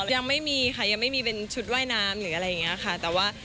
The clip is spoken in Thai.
ยังไม่มีค่ะยังไม่มีเป็นชุดว่ายน้ำหรืออะไรอย่างนี้ค่ะ